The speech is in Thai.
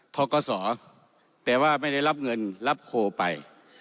ทกศแต่ว่าไม่ได้รับเงินรับโคไป